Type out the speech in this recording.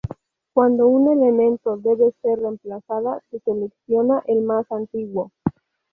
Cuando un elemento debe ser reemplazada se selecciona el más antiguo.